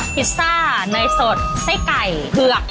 พิซซ่าเนยสดไส้ไก่เผือก